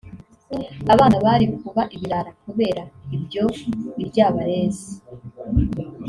abana bari kuba ibirara kubera ibyo ‘biryabarezi’